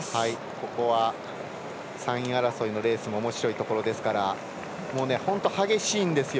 ここは３位争いのレースもおもしろいところですから本当、激しいんですよ。